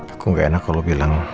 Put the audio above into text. aku gak enak kalau bilang